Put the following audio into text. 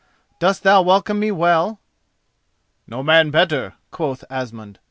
Dost thou welcome me well?" "No man better," quoth Asmund.